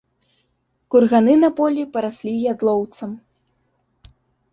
Курганы на полі параслі ядлоўцам.